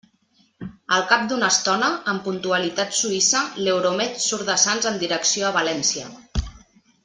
Al cap d'una estona, amb puntualitat suïssa, l'Euromed surt de Sants en direcció a València.